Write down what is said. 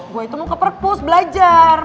gue itu mau ke purpose belajar